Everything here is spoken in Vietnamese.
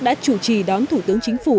đã chủ trì đón thủ tướng chính phủ